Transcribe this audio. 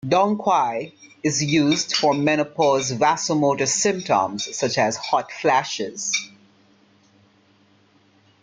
"Dong quai" is used for menopause vasomotor symptoms such as hot flashes.